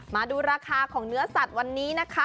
มาดูราคาของเนื้อสัตว์วันนี้นะคะ